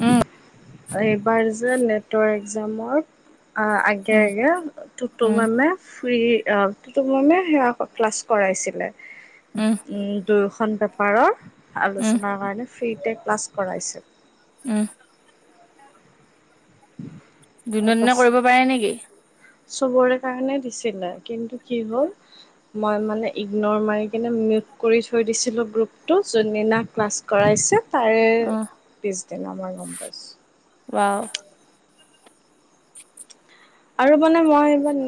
উম, এইবাৰ যে নেটৰ এক্সামৰ অ আগে উম, আগে তুটো উম, মানে ফ্ৰী অ সেয়া ক্লাছ কৰাইছিলে। উম, উ দুয়োখন পেপাৰৰ উম, আলোচনাৰ কাৰণে ফ্ৰীতে ক্লাছ কৰাইছিল উম, [unintelligible] দুদিনৰ এদিনৰ তাৰপাছত কৰিব পাৰে নেকি? চবৰে কাৰণে দিছিলে কিন্তু কি হ'ল মই মানে ইগন মাৰি কিনে মিউ কৰি থৈ দিছিলো গ্ৰুপটো যোনদিনা ক্লাছ কৰাইছো তাৰে অ', পিছদিনা মই গম পাইছোঁ বাৱ। আৰু মানে মই ইমান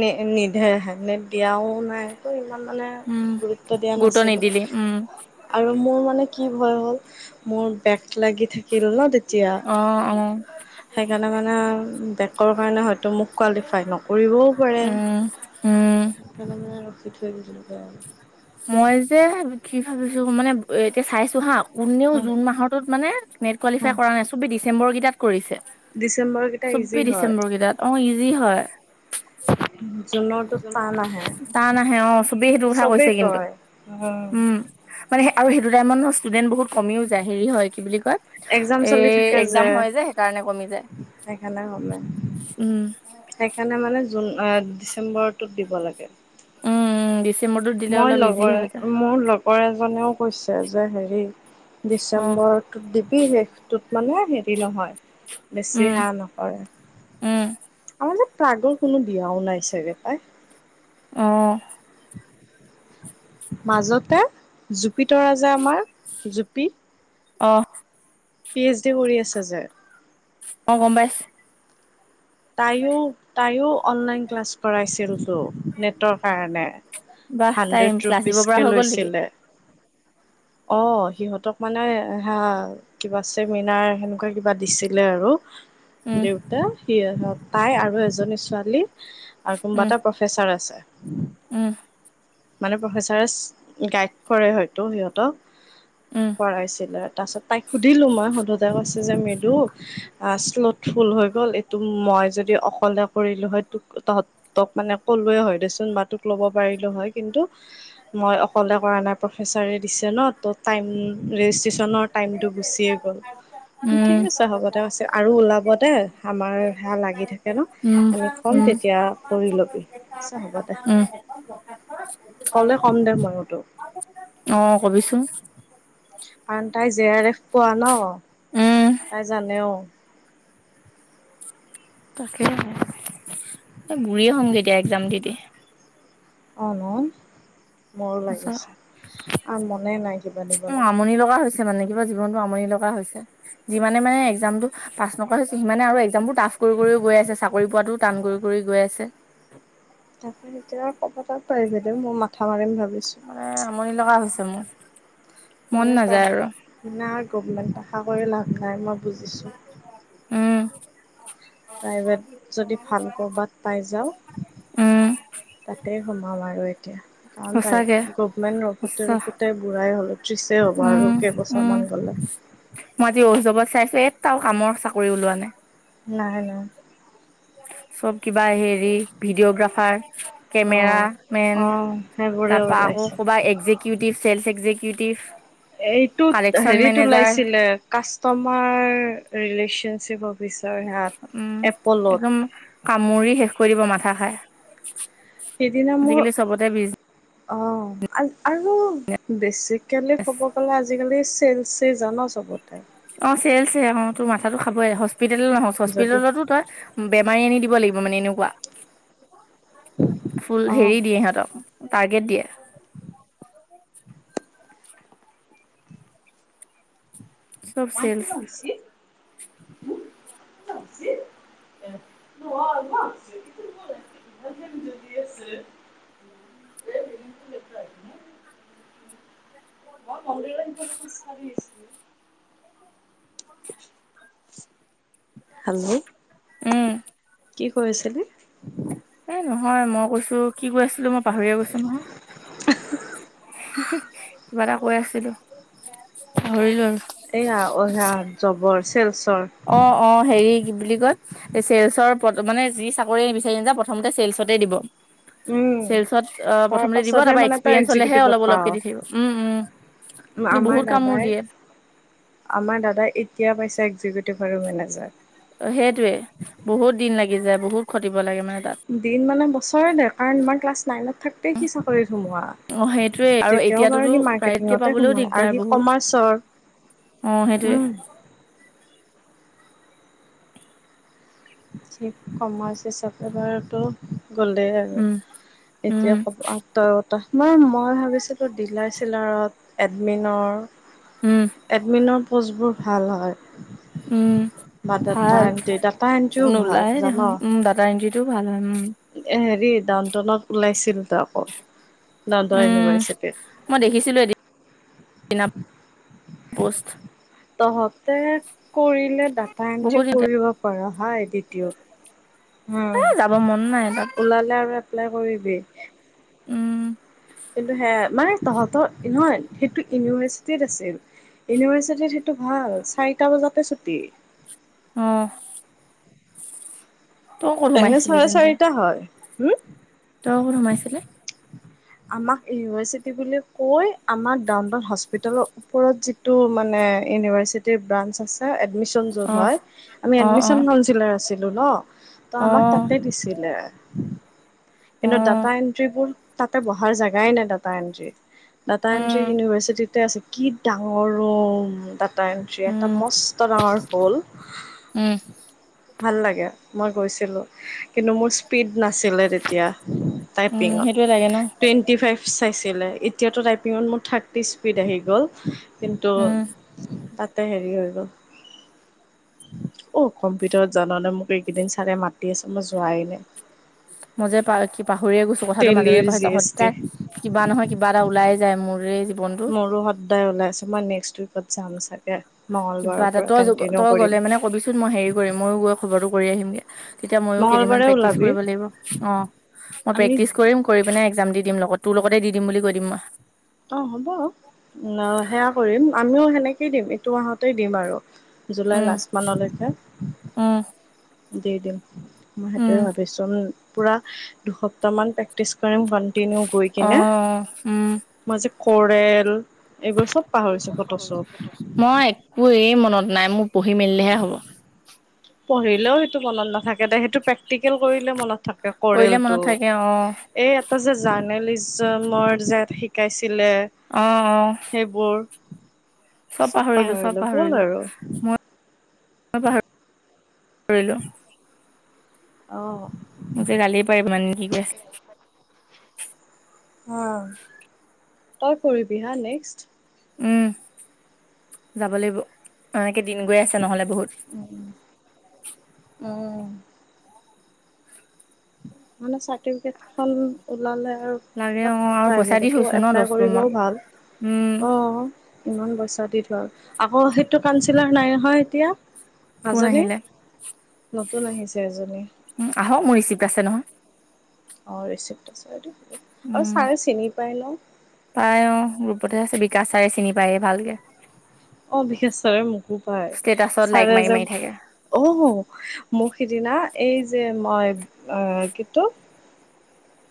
নি নিধে হেলমেট দিয়াও নাই তো ইমান মানে উম, গুৰুত্ব দিয়া গুৰুত্ব নাছিলোঁ। নিদিলি উম, আৰু মোৰ মানে কি ভয় হ'ল মোৰ বেক লাগি থাক কিল ন'তেতিয়া অ', অ', সেইকাৰণে মানে বেক কাৰণে হয়তো মোক কোৱালিফাই নকৰিবও পাৰে। উম, উম, সেইকাৰণে মানে ৰখি থৈ দিলোঁ ঘৰত মই যে কি ভাবিছো মানে এতিয়া চাইছো হা কোনেও জুন মাহটোত মানে নেট কোৱালিফাই কৰা নাই চবেই ডিচেম্বৰকেইটাত কৰিছে ডিচেম্বৰকেইটা ইজি চৌবিশ হয় ডিচেম্বৰ কেইটাত অ ইজি হয়। জুনৰটো টান আহে টান নাহে অ চবেই সেইটো কথা চবেই কৈছে কিন্তু। কয় উম মানে আৰু সেইটো টাইমত ন ষ্টুডেন্ট বহুত কমিও যায় হেৰি হয় কি বুলি কয় একজাম এ চলি থাকে একজাম হয় যে সেইকাৰণে কমি যায় সেইকাৰণে গম নাই। উম, সেইকাৰণে মানে জুন, অ, ডিচেম্বৰৰটোত দিব লাগে।। উম-উম ডিচ মই লগৰ মোৰ লগৰ এজনেও কৈছে যে হেৰি অ ডিচেম্বৰত ইটোক দিবি শেষটোত মানে হেৰি নহয়। বেছি উম সেয়া নকৰে উম আমাৰ যে প্ৰাগৰ কোনো দিয়াও নাই চাগে পাই। অহ', মাজতে জুপিতৰা জে আমাৰ জুপি অহ', পি এইচ ডি কৰি আছে যে অ, গম পাইছ তাইও -তাইও অনলাইন ক্লাছ কৰাইছিল চ ' নেট তৰ কাৰণে বাহ তাই হাণ্ড্ৰেড ক্লাছ দিব পৰা ৰুপিচকে হৈ গ'ল নেকি লৈছিলে। অ সিহঁতক মানে হা কিবা চেমিনাৰ সেনেকুৱা কিবা দিছিলে আৰু। উম দেউতা সি তাই আৰু এজনী ছোৱালী আৰু কোনবা উম এটা প- পেচাৰ আছে। উম, মানে প্ৰফেচাৰেচ গাইড কৰে হয়তো সিহঁতক। উম। কৰাইছিলে তাছত তাইক সুধিলো মই শুধুতে কৈছে যে মৃদু আ স্বলউত ফুল হৈ গ'ল এইটো মই যদি অকলে কৰিলো হয়, তোক তহঁত তক মানে ক'লোৱে হয়। দেচোন বাতোক ল'ব পাৰিলো হয়, কিন্তু মই অকলে কৰা নাই প্ৰফেচাৰে দিছে ন ত টাইম ৰেজিষ্ট্ৰচনৰ টাইমটো গুচিয়ে গ'ল, উম ঠিক আছে হ'ব। তাৰ কৈছে আৰু ওলাব দে আমাৰ সেয়া লাগি থাকে ন উম উম আমি ক'ম উম তেতিয়া কৰি ল'বি আচ্ছা হ'বা দে ক'লে ক'ম দে মইও তোক। অ কবিচোন। কাৰণ তাই জে আৰ এফ পোৱা ন উম তাই জানেও। তাকেহে এ বুঢ়িয়ে হ'মগে এতিয়া এক্সাম দি দি। অহ ন মোৰো সঁচা লাগিছে আৰু মনে নাই কিবা দিবলে। মনি লগা হৈছ- মানে কিবা জীৱনতটো আমনি লগা হৈছে। যিমানে মানে এক্সামটো পাছ নকৰা হৈছে সিমানে আৰু এক্সামবোৰ টাফ কৰি গৈ আছে চাকৰি পোৱাটো টান কৰি কৰি গৈ আছে। তাকেহে এতিয়া ক'বাত প্ৰাইভেটে মই মাথা মাৰিম ভাবিছোঁ। এ আমনি লগা হৈছে মোৰ। মন মাজে পা নাযায় আৰু কিনা ঐ গভমেণ্ট আশা কৰি লাভ নাই মই বুজিছো। উম। প্ৰাইভেট যদি ভাল ক'ৰবাত পাই যাওঁ। উম তাতেই সোমাম আৰু এতিয়া। কাৰণপাই সঁচাকে গভমেণ্ট ৰখোতে সঁচা ৰখোতে বুঢ়াই হ'লে ত্ৰিছে হ'ব উম আৰু কেইবছ- উম মন গ'লে। মই আজি ঐ যৱত চাইছো এটাও কামৰ চাকৰি ওলোৱা নাই। নাই নাই। চব কিবা হেৰি ভিডিঅ'গ্ৰাফাৰ কেমেৰা অ' মেন অ' সেইবোৰে তাৰপা আকৌ ওলাইছে। ক'বা একজেকট কিউটি ফেলফেজে কিউকুটিভ। এইটোত হেৰিত ওলাইছিলে কাষ্টমাৰ ৰিলেচনশ্বিপক। ৰিচাৰ উম সেয়াত এপলত। একদম কামুৰি শেষ কৰি দিব মাথা খাই। সেদিনা মোৰ আজিকালি চবতে বিজ অহ আৰু বেছিক কেলে ক'ব গ'লা আজিকালি চেল চে জান চবতে। অ চেলছে অ তোৰ মাথাতটো খাবই হস্পিতেটেলত নহয় যদি চস্পিতেলতো তই বেমাৰী আনি দিব লাগিব মানে এনেকুৱা, ফুল হেৰি দিয়ে সিহঁতক টাৰ্গেট দিয়ে। চব মাতৃ চেলচ ভাওশি হুও মাতৃ ভাওশি অ [unintelligible] যদি আছে। মই মন্দিৰ নিৱলে বিচাৰি আছিলো। হেল্ল' উম। কি কৈ আছিলি? এ নহয় মই কৈছো কি কৈ আছিলো মই পাহৰিয়ে গৈছো নহয়। কিবা এটা কৈ আছিলো পাহৰিলো আৰু। এইয়া অইহা জবৰ চেলচৰ অ অ হেৰি কি বুলি কয়। পিছে চলচৰ পত মানে যি চাকৰি নি বিচাৰি যা প্ৰথমতে চেলচতেই দিব। উম। চেলচত তাৰ প্ৰথমতে দিব পাছতহে তাৰপা মানে তই এক্সপিৰিয়েঞ্চ হ'লেহে এক্সিকিউটিভত অলপ পাৱ। অলপকে দি থাকিব উম উম। কিন্তু আমাৰ বহুত কামোৰ দাদাই দিয়ে। আমাৰ দাদা এতিয়া পাইছে এক্সিকিউটিভ আৰু মেনেজাৰ। অ সেইটোৱে বহুত দিন লাগি যায় বহুত খতিব লাগে মানে তাত। দিন মানে বছৰে ন কাৰণ মাৰ ক্লাছ নাইনত থাকঁতে সি চাকৰিত সোমোৱা। অ সেইটোৱে আৰু তেতিয়াও বাৰু এতিয়াতোতো সি প্ৰায়তকে মাৰ্কেটিঙতে পাবলেও সোমায় আৰু দিগদাৰ সি বহুত। কমাৰ্চৰ। অ সেইটোৱে। উম যি কমাইছে চাকেবাৰেটো গলে আৰু উম এতিয়া উম ক'ব আঠতা ৰটা মই ম- মই ভাবিছিলোঁ ডিলাৰ চিলাৰত এডমিনৰ। উম। এডমিনৰ প'ষ্টবোৰ ভাল উম হয় ভাল বাদাটাইম তেতা- নো যো ভাল জান। উ দাতা এন্তেৰি ভাল হয়, উম। হেৰি ডাউনটাউনত ওলাইছিল ত আকৌ ডাউনউন উম ইউনিভাৰ্চিটিত। মই দেখিছিলোঁ এদিনা পষ্ট। তহঁতে কৰিলে ডাটা এণ্ট্ৰি বহুত দিনতে। কৰিব পাৰ সায় এডিটিউড। এ যাব উম মন নাই তাত ওলালে আৰু এপ্লাই কৰিবি। উম। কিন্তু সেয়া মানে তহঁতৰ নহয় সেইটো ইউনিভাৰ্চিটিত আছিল। ইউনিভাৰ্চিটিত সেইটো ভাল চাৰিটা বজাতে ছুটি। অ। তই ক'ত এহে সোমাইছিলি চাৰে চাৰিটা হয় হুম। ত ঘৰত সোমাইছিলে। আমাক ইউনিভাৰ্চিটি বুলি কৈ আমাৰ ডাউন টাউন হস্পিতেল ওপৰত যিটো মানে ইউনিভাৰ্চিটিৰ ব্ৰাঞ্চ আছ- এ এডমিশ্যন অ য'ত হয় আমি অ অ এডমিশ্যন কনচিলাৰ আছিল ন। ত' অ আমাক তাতে দিছিলে। অ কিন্তু ডাটা এণ্ট্ৰিবোৰ তাতে বহাৰ জেগাই নাই ডাটা এণ্ট্ৰি ডাটা এণ্ট্ৰি উম ইউনিভাৰ্চিটিত ততে আছে কি ডাঙৰ ৰুম ডাটা এন্ট্ৰি এটা উম মস্ত ডাঙৰ হ'ল। উম। ভাল লাগে মই গৈছিলো কিন্তু মোৰ স্পীড নাছিলে। তে- এতিয়া উম টাইপিঙত সেইটোয়ে লাগে ন টুৱেণ্টি ফাইভ চাইছিলে এতিয়াতো টাইপিঙত মোৰ থাৰ্টি স্পীড আহি গ'ল। কিন্তু উম তাতে হেৰি হৈ গ'ল অ কম্পিউটাৰত জাননে মোক এইকেইদিন চাৰে মাতি আছে মই যোৱাই নাই। মজে পাৰ কি পাহৰিয়ে গৈছো কথাটো মাজে মাজে টেলিৰ জি পাহৰিছোঁ, এছ টি সদায় কিবা নহয় কিবা এটা ওলাইে যায় মোৰে মোৰো সদায় ওলাই আছে মই নেক্সট উইকত যাম চাই- কিবা এটা ত তই গ'লে মানে কবিচোন মই হেৰি কৰিম ময়ো গৈ খবৰটো কৰি আহিমগে। তেতিয়া মইও কেদিনমান মঙ্গলবাৰে প্ৰেক্টিছ ওলাবি কৰিব লাগিব। অহ মই আমি প্ৰেক্টিছ কৰিম কৰি পেনাই একজাম দি দিম লগত তোৰ লগতে দি দিম বুলি কৈ দিম মই। অ হ'ব সেয়া কৰিম আমিও সেনেকেই দিম এইটো মাহতে দিম আৰু। জুলাই উম লাষ্টমানলৈকে। উম দি দিম মই উম সেইটোৱে ভাবিছো পুৰা দুসপ্তাহ মান প্ৰেক্টিছ কৰিম। কণ্টিনিউ গৈ অ কিনে উম মই যে কৰেল এইবোৰ চব পাহৰিছোঁ ফটো চব। মই একোৱে মনত নাই মোৰ পঢ়ি মেলিলেহে হ'ব। পঢ়িলেও সেইটো মনত নাথাকে দে সেইটো প্ৰেক্টিকেল কৰিলে মনত থাকে কৰিলে কৰেলটো। মনত থাকে অ এই এটা যে জাৰ্নেলিজমৰ যে শিকাইছিলে অ অ। সেইবোৰ চব পাহৰিলো চব পাহৰিলো মই পাহৰিলো। অ', মোক যে গালি পাৰে [unintelligible] সি যে অ, তই পঢ়িবি হা নেক্সট। উম, যাব লাগিব এনেকে দিন গৈ আছে নহ'লে বহুত। [unintelligible] উম, মানে চাৰ্টিফিকেট খন ওলালে আৰু লাগে অ ক'বাত আৰু পইচা দি প্ৰাইভেটতো থৈছো ন এপ্লাই দহ ৰুমত কৰিবও ভাল উম অ, ইমান পইচা দি ধৰ আকৌ সেইটো কাউঞ্চিলাৰ নাই নহয় এতিয়া। কোন নাজানি আহিলে নতুন আহিছে এজনী। উম, আহক মোৰ ৰিচিপ্ট আছে নহয়। অ, ৰিচিপ্ট আছে যদি হ'ব আৰু ছাৰে চিনি পাই ন'। পায় অ, গ্ৰুপতে আছে বিকাচ চাৰে চিনি পায়ে ভালকে। অ, বিশেষচাৰে মোকো পায় ষ্টেটাচত লাইক ছাৰে মাৰি যে মাৰি থাকে অ, মোক সিদিনা এই যে মই আহ কিতো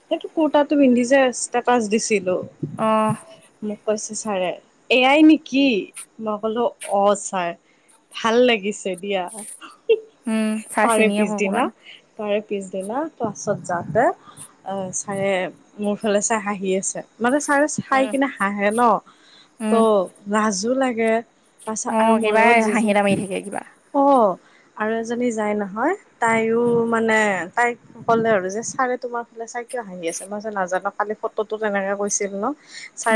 সেইটো কুৰ্তটো পিন্ধি যে ষ্টেপাচ দিছিলো অ', মোক কৈছে ছাৰে এ আই নেকি? মই ক'লো অ, ছাৰ ভাল লাগিছে দিয়া। উম [unintelligible] ছাৰ তাৰে চিনি আকৌ পিছদিনা অকমান তাৰে পিছদিনা ক্লাছত যাতে ছাৰে মোৰ ফালে ছাই হাঁহি আছে মানে ছাৰে চাই উম কিনে হাঁহে ন'ত' উম লাজো লাগে তাৰছত অ আৰু কিবা হাঁহি এটা মাৰি মইয় থাকে কিবা [unintelligible] অ, আৰু এজনী যায় নহয় তাইও মানে তাইক ক'লে আৰু যে ছাৰে তোমাৰ ফালে চাই কিয় হাঁহি আছে মই যে নাজানো কালি ফটোটো তেনেকে কৈছিল ন'।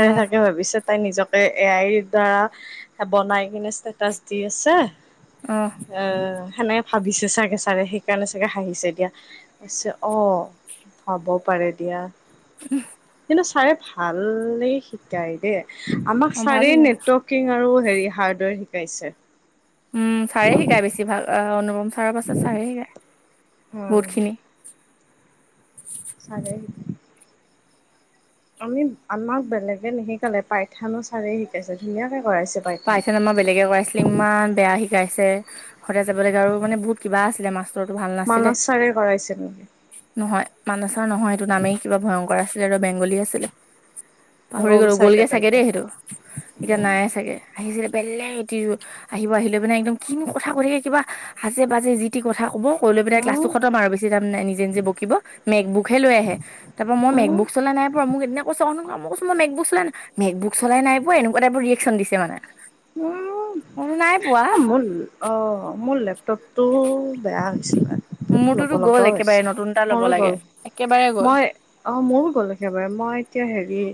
অ চাগে ভাবিছে তাই নিজকে এ আইৰ দ্বাৰা এ বনাই কিনে ষ্টেটাচ দি আছে অহ', আহ, সেনেকে ভাবিছে ছাগে ছাৰে সেইকাৰণে চাগে হাঁহিছে এতিয়া। পিছে অ, হ'ব পাৰে দিয়া। কিন্তু ছাৰে ভালেই শিকায় দে। আমাক অ ভাল ছাৰেই শিকাই নেটৱৰ্কিং আৰু হেৰি হাৰ্ডৱেৰ শিকাইছে। উম, ছাৰে শিকায় বেছি ভাগ অনুপম ছাৰৰ পাছত ছাৰে শিকায় উম বহুত খিনি। ছাৰে শিক আমি আমাক বেলেগে নিশিকালে পাইথানো ছাৰে শিকাইছে ধুনীয়াকে কৰাইছে পাইথান। আমাক বেলেগে কৰাইছে। [unintelligible] ইমান বেয়া শিকাইছে সদায় যাব লাগে আৰু মানে বহুত কিবা আছিলে মাচ মানচ ছাৰে কৰাইছিল নেকি? নহয় মানচ ছাৰ নহয় এইটো নামেই কিবা ভয়ংকৰ আছিলে আৰু বেংগলী আছিলে। পাহৰি গ'ল গ'লো গ'লগে চাগে তেন্তে দেই সেইটো এতিয়া উম। নাই চাগে আহিছিলে বেলেগ এটি আহিব আহিলৈ মানে একদম কিনো কথা কৈ থাকে কিবা আজে- বাজে যি তি কথা ক'ব কৈ লৈ পিনাই ক্লাছটো খতম আৰু বেছি নিজে-নিজে বকিব মেক বুকহে লৈ আহে। তাৰপৰা মই উম মেকবোক চলাই নাই পৰা মোক সেইদিনা কৈছে [unintelligible] মই মেকবুক চলাই নাই মেকবুক চলাই নাই পুৱা এনেকুৱা টাইপৰ ৰিয়েকচন দিছে মানে। উম, বোলো নাই পোৱা এ মুন অ, মোৰ লেপটপটো বেয়া হৈছিল মানে। অ, ল'ব মোৰটোতো গ'ল লগাও হৈছে একেবাৰে নতুন এটা ল'ব মোৰো গ'ল লাগে একেবাৰে গ'ল। মই অ মোৰো গ'লো একেবাৰে মই এতিয়া হেৰি